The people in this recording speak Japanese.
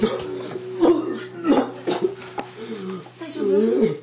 大丈夫？